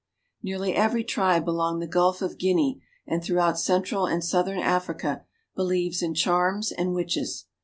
Nearly every tribe along the Gulf of Guinea, and through out central and southern Africa, believes in charms and witches.